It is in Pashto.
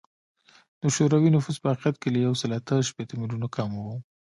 د شوروي نفوس په حقیقت کې له یو سل اته شپیته میلیونه کم و